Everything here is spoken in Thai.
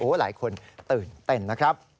หลายคนตื่นเต้นนะครับ